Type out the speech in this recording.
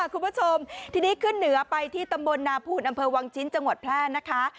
คุณผู้ชมทีนี้ขึ้นเหนือไปที่ตำบลนาภูนอำเภอวังชิ้นจังหวัดแพร่นะคะ